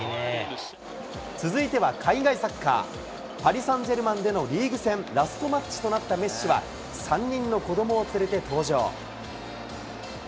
続いては海外サッカー、パリサンジェルマンでのリーグ戦ラストマッチとなったメッシは、３人の子どもを連れて登場。